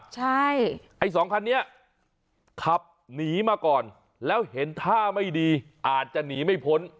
ใช่ไอ้สองคันนี้ขับหนีมาก่อนแล้วเห็นท่าไม่ดีอาจจะหนีไม่พ้น